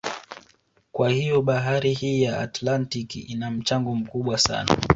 Kwa hiyo bahari hii ya Atlantiki ina mchango mkubwa sana